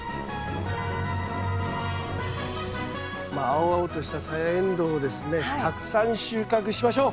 青々としたサヤエンドウをですねたくさん収穫しましょう！